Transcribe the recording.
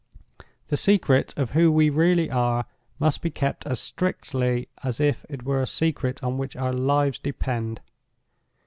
The secret of who we really are must be kept as strictly as if it was a secret on which our lives depend.